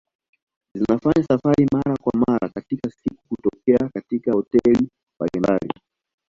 Zinafanya safari mara kwa mara katika siku kutokea katika hoteli mbalimbali